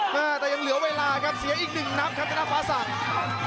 แต่ยังเหลือเวลาครับเสียอีกหนึ่งนับครับธนาฟ้าศักดิ์